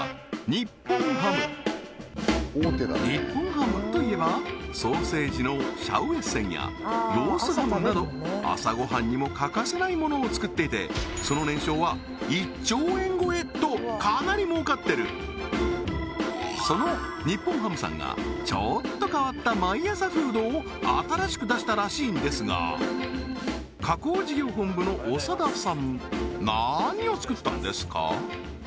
日本ハム日本ハムといえばソーセージのシャウエッセンやロースハムなど朝ごはんにも欠かせないものを作っていてその年商は１兆円超えとかなり儲かってるその日本ハムさんが新しく出したらしいんですが加工事業本部の長田さん何を作ったんですか？